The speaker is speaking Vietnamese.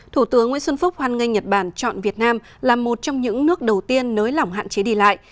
thủ tướng nguyễn xuân phúc hoan nghênh nhật bản chọn việt nam là một trong những nước đầu tiên nới lỏng hạn chế đi lại